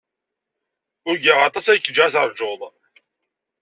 Ugaɣ aṭas ay k-jjiɣ ad teṛjuḍ.